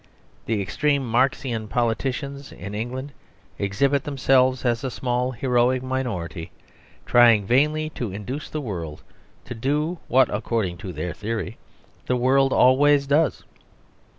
The extreme Marxian politicians in England exhibit themselves as a small, heroic minority, trying vainly to induce the world to do what, according to their theory, the world always does.